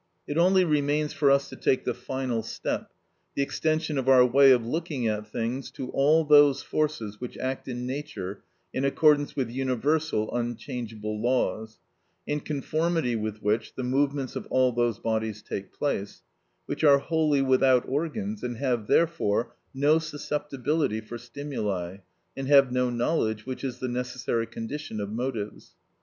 It only remains for us to take the final step, the extension of our way of looking at things to all those forces which act in nature in accordance with universal, unchangeable laws, in conformity with which the movements of all those bodies take place, which are wholly without organs, and have therefore no susceptibility for stimuli, and have no knowledge, which is the necessary condition of motives.